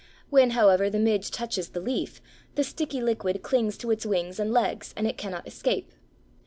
When, however, the midge touches the leaf, the sticky liquid clings to its wings and legs, and it cannot escape.